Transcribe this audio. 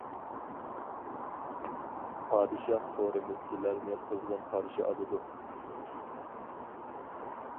پادىشاھ تورىمىز سىلەرنى قىزغىن قارشى ئالىدۇ.